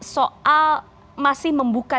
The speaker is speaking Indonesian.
soal masih membuka